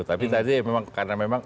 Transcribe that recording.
tapi tadi memang karena memang